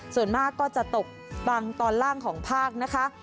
ส่วนมากก็จะตกบางตอนล่างของภาคนะคะ